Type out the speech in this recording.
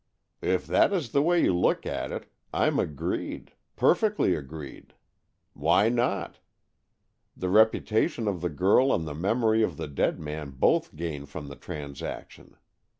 "If that is the way you look at it, I'm agreed — perfectly agreed. Why not? The reputation of the girl and the memory of the dead man both' gain from the transaction.